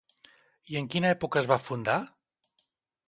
I en quina època es va fundar?